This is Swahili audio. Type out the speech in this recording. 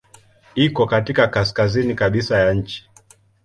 Iko katika kaskazini kabisa ya nchi.